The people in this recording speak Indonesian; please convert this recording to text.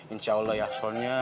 insya allah ya soalnya